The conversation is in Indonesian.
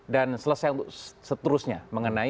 dan selesai seterusnya mengenai